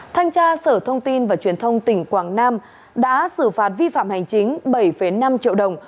thanh tra sở thông tin và truyền thông tỉnh quảng nam đã xử phạt vi phạm hành chính bảy năm triệu đồng